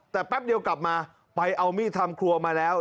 แต่แป๊บเดียวกลับมาไปเอามีดทำครัวมาแล้ว